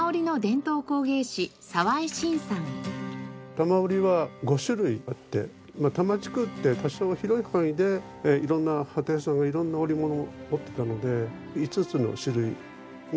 多摩織は５種類あって多摩地区って多少広い範囲で色んな機屋さんが色んな織物を織っていたので５つの種類があります。